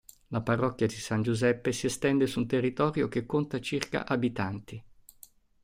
La parrocchia di San Giuseppe si estende su un territorio che conta circa abitanti.